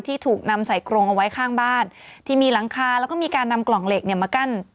ถูกนำใส่กรงเอาไว้ข้างบ้านที่มีหลังคาแล้วก็มีการนำกล่องเหล็กเนี่ยมากั้น